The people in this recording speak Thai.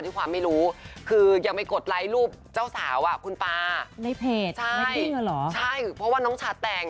ที่ความไม่รู้คือยังไม่กดไลก์รูปเจ้าสาวคุณปาในเพจใช่เพราะว่าน้องฉันแต่ง